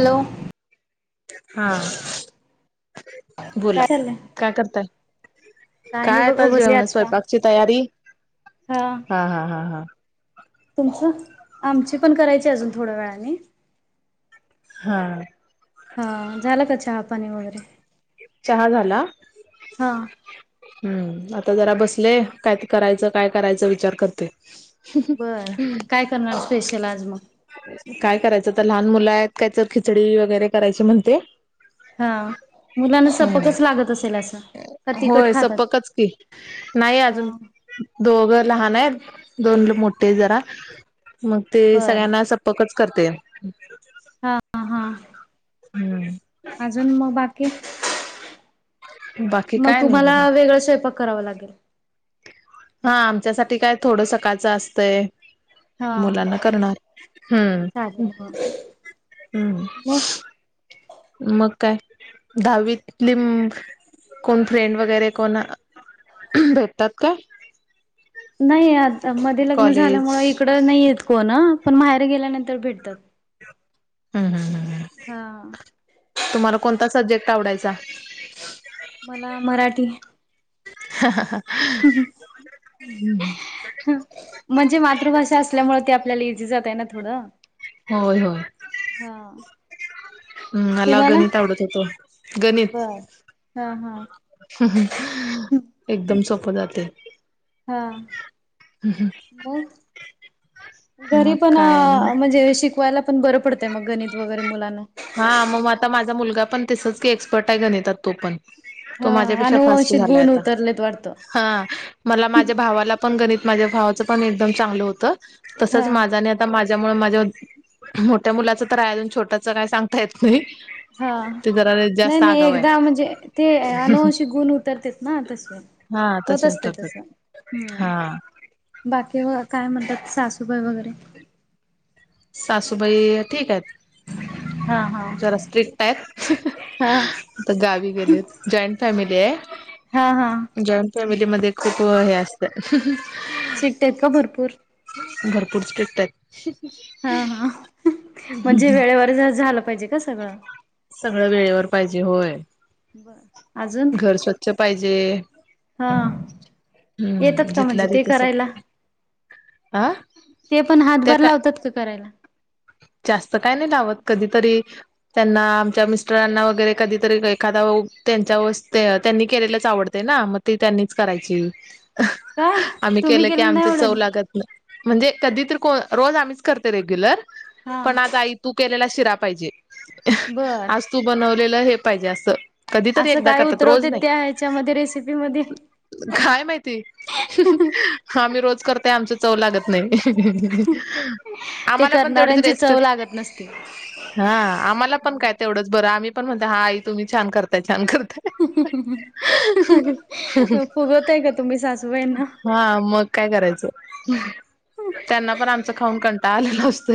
Hello? हा बोला काय चाललंय? काय करताय? नाही काय आता बघ बसले जेवण आत्ता. स्वयंपाकची तयारी हा हा हा हा तुमचं? आमच पण करायची हाय अजून थोड्या वेळाने हा. हा झालं का चहापाणी वगैरे? चहा झाला. हा हम्म आता जरा बसले काय तर करायचं काय करायचं? विचार करते. बरं काय करणार स्पेशल आज मग? काय करायचं तर लहान मुलं आहेत काय तर खिचडी वगैरे करायची म्हणते हा मुलांना हम्म सपकच लागत असेल असं. का तिखट होय खातात? सपकच की नाही हा अजून दोघं लहान आहेत. दोन मोठे हा जरा मग ते बरं सगळ्यांना सपकच करते. हा हा. हम्म. अजून मग बाकी? बाकी मग काय नाही तुम्हाला बघा वेगळं स्वयंपाक कराव लागेल. हा आमच्यासाठी काय थोडं सकाळचं असतंय हा मुलांना करणार हम्म.. चालेल हो. हम्म मग मग काय? दहावीतली कोण फ्रेंड वगैरे कोण? भेटतात काय? नाही आता मध्ये लग्न झाल्यामु इकडं नाही येत कोण पण बाहेर गेल्यानंतर भेटतात. हम् ह् हा तुम्हाला कोणता सब्जेक्ट आवडायचा? मला मराठी. हा हा हा. हम् हम. म्हणजे मातृभाषा असल्यामुळे ते आपल्याला इझी जातय ना थोडं होय होय. हा हम् मला तुम्हाला गणित आवडत होतं बर गणित हा हा एकदम सोपं जाते. हा. मग घरी मग पण काय म्हणजे शिक शिकवायला पण बंर पडतंय मग गणित वगैरे मुलांना. हा मग आता माझा मुलगा पण तसच कि एक्सपर्ट आहे गणितात तो पण तो हा माझ्यापेक्षा फास्ट अनुवंशिक झाला गुण आता, उतरलेत वाटतं हा मला माझ्या भावाला गणित माज्या भावाच पण एकदम चांगल होत तसंच हा माझं आणि माज्या त्या्मुळे माझ्या मोठ्या मुलाच तर आहे, अजून छोट्याच काय सांगता येत नाही. हा. ते जरा नाही जास्त नाही आगाव आहे एकदा म्हणजे ते अनुवांशिक गुण उतरते ना तसे हा होत तसे असते तस उतरतात हम् हा बाकी काय म्हणतात सासू सुबाय वगैरे? सासूबाई ठीक आहेत. हा हा जरा स्ट्रिक्ट आहेत, हा आता गावी गेलेतं जॉईंट फॅमिली हा हा जॉईंट फॅमिली मध्ये खूप हे असत स्ट्रिक्ट आहेत का भरपूर? भरपूरच पिटतात. हा हा म्हणजे वेळेवर झालं पाहिजे का सगळं. सगळं वेळेवर पाहिजे होय बर अजून घर स्वच्छ पाहिजे. हा हम्म येतात का जिथला म्हणजे ते तिथं करायला? सग हा ते पण त्या हातभार काय लावतात का करायला? जास्त काय नाही लावत कधीतरी त्यांना आमच्या मिस्टरांना वगैरे कधीतरी एखादा त्यांच्या त्यांनी केलेलंच आवडत ना मग त्यांनीच करायची. का आम्ही तुम्ही केलं की नाही आमचे चव एवढं लागत नाय. म्हणजे कधीतरी को रोज आम्हीच करते रेग्युलर हा पण आज आई तू केलेला शिरा पाहिजे. बर आज तू बनवलेलं हे पाहिजे असं. कधीतरी असं एकदा काय करतात रोज उतरवते नाही त्या ह्याच्यामध्ये रेसिपी मध्ये काय माहिती? आम्ही रोज करतय आमच चव लागत नाही. ते आम्हाला पण तेवढीच करणाऱ्यांची रेस्ट चव लागत नसती. हा आम्हाला पण काय ते तेवढंच बरं आम्ही पण हा आ तुम्ही छान करताय छान कर फुगवताय का तुम्ही सासूबाईंना.? हा मग काय करायचं त्यांना पण आमचं खाऊन कंटाला आलेला असत.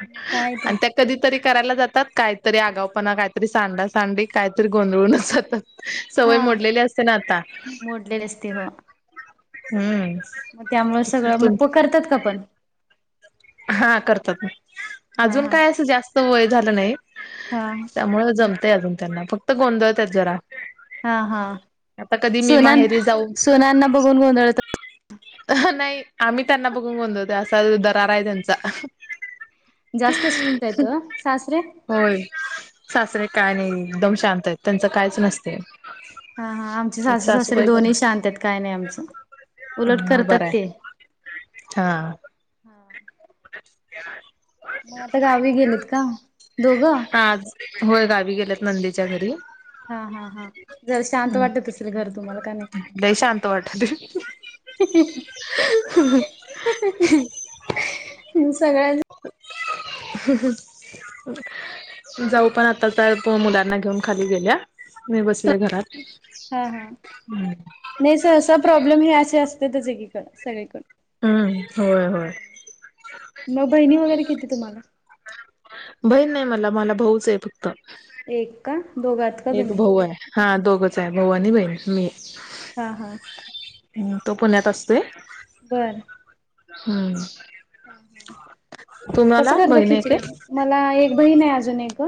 मग काय तर. आणि त्या कधीतरी करायला जातात काहीतरी आगावपणा काहीतरी स सांडा सांडी काहीतरी गोंधळूनच जातात. सवय हा मोडलेली असते ना आता मोडलेले असते हो हम्म. मग त्यामुळे सगळं मग प करतात का पण. हा करतात. हा अजून हा काय असं जास्त वय झालं नाही हा त्यामुळे जम अजून त्यांना फक्त गोंधळतात जरा. हा हा आता कधी मी सुना माहेरी जाऊ सुनांना बघून गोंधळत. नाही आम्ही त्यांना बघून गोधळते असा दरार आहे त्यांचा. जास्त स्ट्रिक्ट आहेत ओ सासरे? होय सासरे. काय नाही एकदम शांत आहेत त्यांचं कायच नसतय. हा हा आमची सासू सासरे दोनही शांत आहेत काय नाही आमचं. उलट बरं मग बरं करतात आहे ते. हा. हा.. [unintelligible] मग आता गावी गेलेत का दोघं.? नणंदेच्या घरी. हा हा हा जरा शांत वाटत असल घर तुम्हाला. का नाही.? लय शांत वाटलय. रिकामा ऑडिओ सगळ्या रिकामा ऑडिओ जाऊ पण आता तर मुलांना घेऊन खाली गेल्या. नाही बसले घरात. हा हा नाही सर असं प्रॉब्लेम हे असे असतेच एकीकडे सगळीकडून. हम्म होय होय मग बहिणी वगैरे किती तुम्हाला.? बहीण नाही मला मला भाऊच आहे फक्त. एक. का? दोघात का एक तुम्ही भाऊ आहे हा दोघच आहे भाऊ आणि बहीण मी. हा हा. हम्म तो पुण्यात असतोय. बर. हम्म. ह हा कसं तुम्हाला करत बहीण आहे खिचडी काय? मला एक बहीण अजून एक.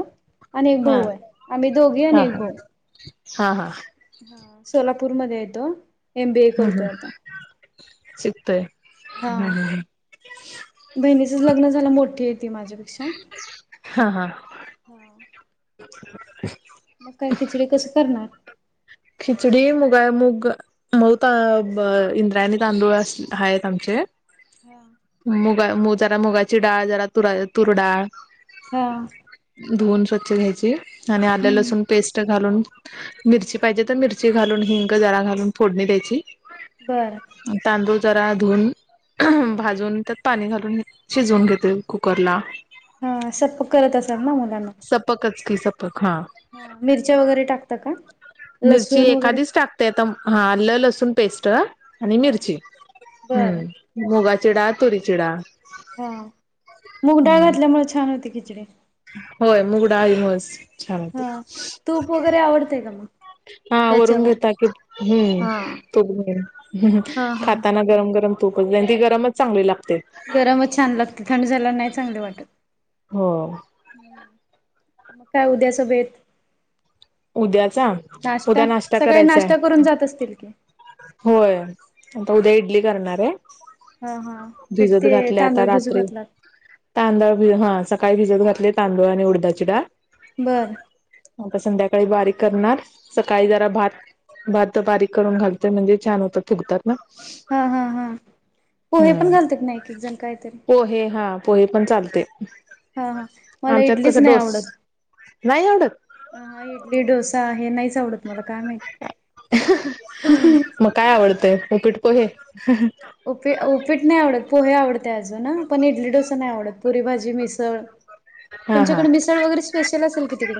अनेक हा भाऊ आहे आम्ही दोघी न हा एक हा भाऊ. हा हा. हा सोलापूरमध्येध्ये येतो एमबी ए हम्म हम्म करतोय आता. शिकतोय हा हम्म हम्म बहिणीचच लग्न झालं मोठे. माझ्यापेक्षा हा हा हा. [unintelligible] मग काय खिचडी कस करणार. खिचडी मुगा मुग मऊ त इंद्रायणी तांदूळ आहेत आहेत आमचे. हा मुगा जरा मुगाची डाळ जरा तुरा तूर डाळ. हा. स्वछ घ्याय आणि आ ल हम्म पेस्ट घालून मिरची. पाहिजे तर मिरची घालून हिंग जरा घालून फोडणी द्यायची. बरं. तांदूळ जरा धुून भाजून त्यात पाणी घालून शिजवून घेते कुकरला. हा असं करत असाल ना मुलांना. सपकच की सपक हा ह मिरच्या वगैरे टाकत का मिरची लसूण वगैरे एखादीच टाकते आता हा आलं लसूण पेस्ट आणि हा मिरची बरं हम्म मुगा चिडा तुरी चिडा हा मूग डाळ घातल्यामुळे छान होती खिचडी होय मुगडा आहे होस हा तूप वगैरे आवडतय का मग हा वरून त्याच्यावर घेता कि हम्म हा तूप घे हा हा खाताना गरम गरम तूपच ती गरमच चांगली लागते गरमच छान लागते थंड झाल्या नाही चांगले वाटते हो मग काय उद्या सोभेत उद्याचा उद्या नाश्ता सकाळी करायचाय नाश्ता करून जात असतील की होय आता उद्या इडली करणार आहे हा हा पीठ भिजत ते घातल्या आता तांदूळ भिजू रात्री घातलात तांदळ भ हा सकाळी भ घातले तांदू आणि उडदाची डा बर आता संध्याकाळी बारीक करणार सकाळी जरा भात भात तर बारीक करून घालते म्हणजे छान होत थुकतात हा हा हा पोहे पण हम्म घालतात ना एक एक जण काहीतरी पहे हा पोहे पण चालते हा हा मला आमच्यात इडलीच कसं नाही डोस आवडत नाही आवडत हा डोसा आहे नाहीच आवडत मला काय माहित. मग काय आवडतंय म पिठ पोहे उपी उओपीट नाही आवडत पोहे आवडते अजून पण इडली डोसा नाही आवडत पुरी भाजी मिसळ हा हा तुमच्याकड मिसळ वगैरे स्पेशल असेल की तिकड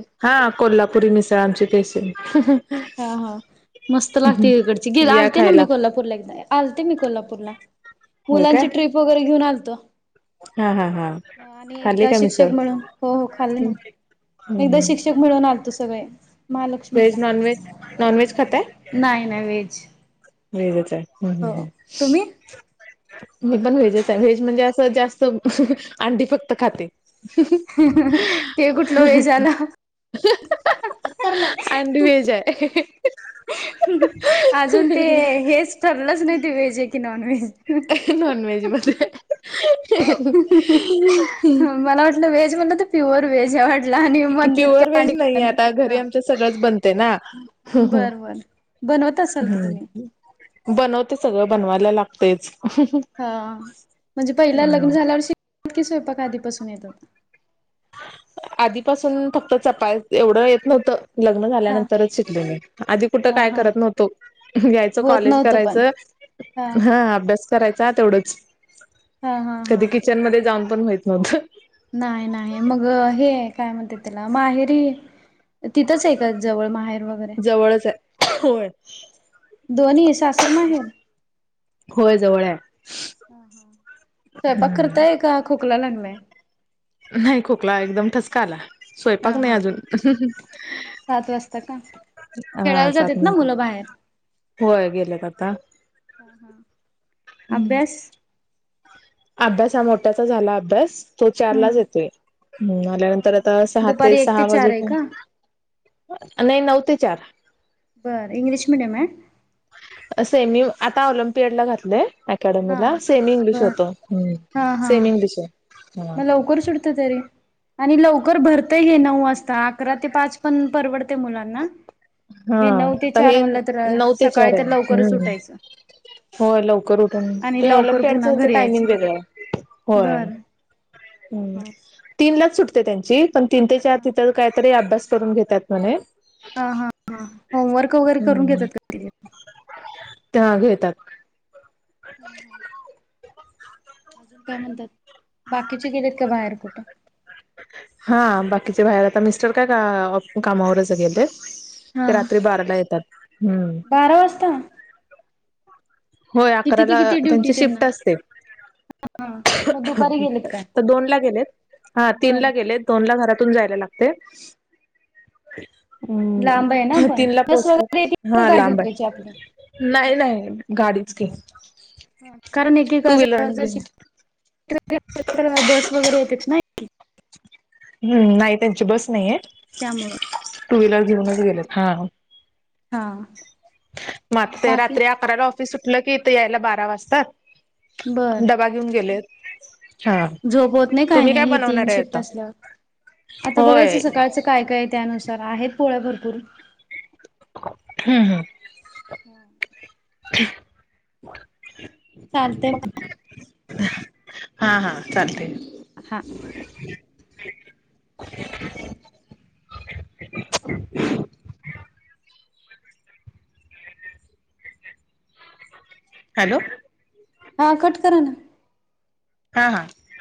मचे तेसे हा हा मस्त लागते इकडची ग या आलते ना खायला मी कोल्हापूरला एकदा आलते मी कोल्हापूरला होय काय मुलांची ट्रिप वगैरे घेऊन आलतो हा हा हा आणि खाल्ली एकदा का मिसळ शिक्षक म्हणून हो हो खाल् ना एकदा शिक्षक मिळून आल तू सगळे महालक्ष्मीला व्हेज नॉन व्हेज नॉन नाही ना वहेज हे जच ह तुम्ही मी पण व्हेजच आहे व्हेज म्हणजे असं जास्त अंडीी फक्त खाते ते कुठलं वेळ झाला अंड वजय ह अजून ते हेच ठरलंच नाही ते व्हेज आहे की नॉन व्हेज मला वाटलं ह veg pure veg pure veg नाही आता घरी हा आमच सगळंच बनते ना हम् हम बर बर बनवत असाल की तुम्ही हम् बनवते सगळं बनवाय लागतेच हा म्हणजे पहिला लग्न झाल्यावर शिकात की स्वयंपाक आधीपासून येत होता आधीपासून फक्त चपाात एवढं येत नव्हतं लग्न हा झाल्यानंतरच शिकल मी आधी कुठं हा काय हा करत नव्हतो यायचं होत कॉलेज नव्हतं पण करायचं हा अभ्यास करायच तेवढंच हा कधी हा. किचन मध्ये जाऊन पण होयत नव्हतं नाही नाही मग हे काय म्हणते तला माहेरी तिथंच आहे का जवळ माहेर वगैरे जवळच आहे होय दोन्ही असासर माहेर होय जवळ हा-हा स्वयंपाक आहे करताय का खोकला लागलाय? नाही खोकला एकदम ठसका आला हा स्वयंपाक नाही हा अजून सात वाजता का खेळायला हा सात जातेत ना मिनिटं मुलं बाहेर होय गेलेत आता हा- हा.. हम्म अभ्यास हा मोठ्याचा झाला अभ्यास तो चारलाच हम्म येतोय हम्म आल्यानंतर आता सहा ते दुपारी एक सहा चार आहे वाजेप का नाही नऊ ते चार बर इंग्लिश मिडीयम आहे [unintelligible] ् मी आता ऑलिम्पियड ला घातलंय हा अकॅडमीला सेमी इंग्लिश बर होत हम्म हा हा सेमी इंग्लिश आहे. हा मग लवकर सुटतय तरी आणि लवकर भरतय हे नऊ वाजता अकरा ते पाच पण परवडतय मुलांना हा हे नऊ ते आता चार हे म्हणलं तर नऊ ते चार सकाळी तर आहे लवकरच हम्म उठायचं होय लवकर उठून आणि ते लवकर ऑलिमपियाडच पुन्हा त्यांच घरी टायमिंग यायचं वेगळाय, होय बर हा हम्म हा तीनलाच सुटतय त्यांची पण तीन ते चार तिथ काही तरी अभ्यास करून घेतात म्हणे हा -हा -हा होमवर्क वगैरे करून हम्म घेतात का? [unintelligible] त्या घेतात हा-हा.. अजून काय म्हणतात बाकीचे गेलेत का बाहेर कुठे? हा बाकीचे बाहेर आता मिस्टर काय अ-ऑ-कामावरच गेलेत हा ते रात्री बाराला येतात हम्म.. बारा वाजता? होय, किती ते अकराला किती ड्युटी त्यांची त्यांना? शिफ्ट असते हा मग दुपारी गेलेत काय? दोन ला गेलेत हा तीन ला बरं. गेलेत दोन ला घरात इथुन जायला लागतय लांब आहे ना हम्म पण तीन ला बस पोहोचतात वगैरे येते का हा गाडी घेऊन लांब जायची आपली? आहे नाही -नाही [unintelligible] गाडीच की कारण एक [unintelligible] टू व्हीलर घेऊन बस वगैरे येतच नाही अ [unintelligible] हम्म, नाही त्यांची बस नाहीय त्यामुळे. टू व्हीलर घेऊनच गेलेत हा.. हा.. मग ते रात्री अकराला ऑफिस सुठलं की इथ यायला बारा वाजतात. डब्बा घेऊन गेलेत हा. झोपवत नाही काय तुम्ही नाही हे तीन बनवणार आहे शिफ्ट आता? असल्यावर आता होय. बघायचं सकाळचं काय -काय आहे त्यानुसार आहेत पोळ्या भरपूर हम्म- हम्म हम्म [unintelligible] चालतय [unintelligible] हा- हा चालतय हा. ह [unintelligible] हॅलो हा कट करा ना हा -हा